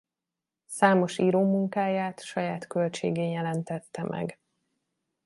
Számos író munkáját saját költségén jelentette meg.